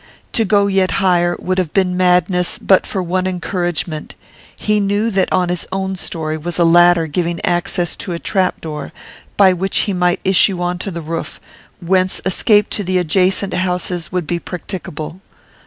To go yet higher would have been madness but for one encouragement: he knew that on his own storey was a ladder giving access to a trap door, by which he might issue on to the roof, whence escape to the adjacent houses would be practicable.